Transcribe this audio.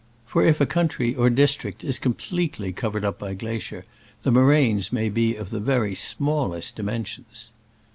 For if a country or district is completely covered up by glacier, the moraines may be of the very smallest dimensions.